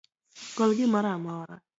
Gol gimoro amora